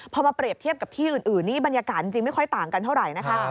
พอมาเปรียบเทียบกับที่อื่นนี่บรรยากาศจริงไม่ค่อยต่างกันเท่าไหร่นะคะ